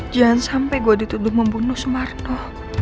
jangan sampai gue dituduh membunuh sumarno